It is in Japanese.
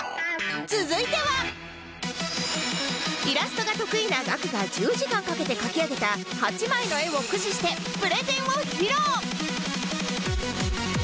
イラストが得意なガクが１０時間かけて描き上げた８枚の絵を駆使してプレゼンを披露！